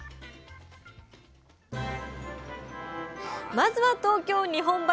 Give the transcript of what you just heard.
まずは東京・日本橋。